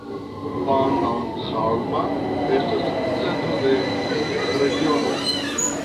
Pannonhalma estas centro de vinregiono.